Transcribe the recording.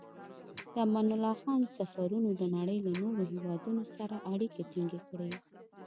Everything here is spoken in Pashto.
د امان الله خان سفرونو د نړۍ له نورو هېوادونو سره اړیکې ټینګې کړې.